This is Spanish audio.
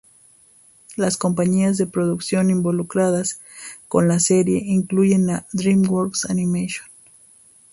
Las compañías de producción involucradas con la serie incluyen a DreamWorks Animation.